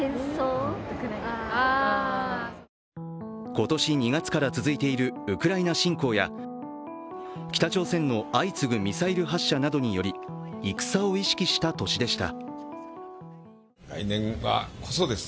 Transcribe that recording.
今年２月から続いているウクライナ侵攻や北朝鮮の相次ぐミサイル発射などにより、「戦」を意識した年でした。